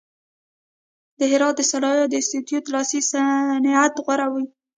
د هرات د صنایعو د انستیتیوت لاسي صنعت غوره و.